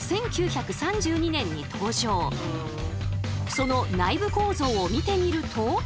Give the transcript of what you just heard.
その内部構造を見てみると。